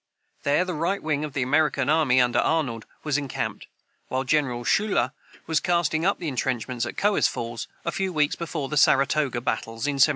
There the right wing of the American army, under Arnold, was encamped, while General Schuyler was casting up entrenchments at Cohoes Falls, a few weeks before the Saratoga battles, in 1777.